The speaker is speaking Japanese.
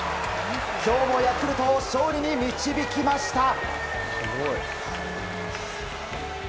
今日もヤクルトを勝利に導きました。